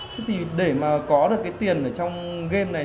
thế thì để mà có được cái tiền ở trong game này